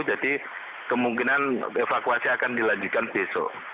jadi kemungkinan evakuasi akan dilanjutkan besok